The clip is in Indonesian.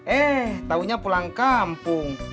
eh taunya pulang kampung